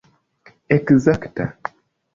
ekzakta